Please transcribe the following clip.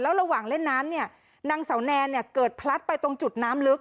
ระหว่างเล่นน้ำเนี่ยนางเสาแนนเนี่ยเกิดพลัดไปตรงจุดน้ำลึก